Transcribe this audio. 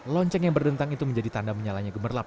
lonceng yang berdentang itu menjadi tanda menyalanya gemerlap